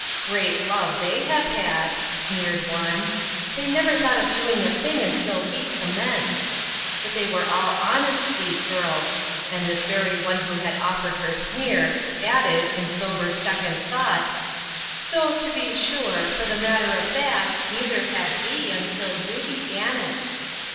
" Great love they have had," sneered one ;" they never thought of doing a thing until we commenced." But they were all honest, these girls, and this very one who had offered her sneer, added in sober second thought: " Though, to be sure, for the matter of that, neither did we, until you begun it.